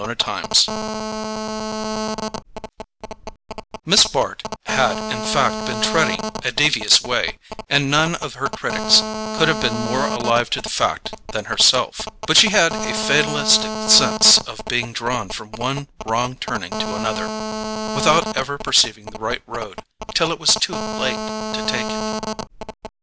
Chapter 12 Miss Bart had in fact been treading a devious way, and none of her critics could have been more alive to the fact than herself; but she had a fatalistic sense of being drawn from one wrong turning to another, without ever perceiving the right road till it was too late to take it.